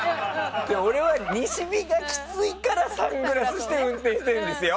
俺は、西日がきついからサングラスして運転してるんですよ？